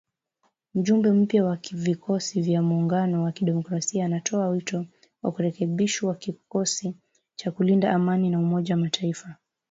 Mjumbe mpya wa Vikosi vya Muungano wa Kidemokrasia anatoa wito wa kurekebishwa kikosi cha kulinda amani cha Umoja wa Mataifa.